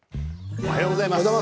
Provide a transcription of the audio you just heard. おはようございます。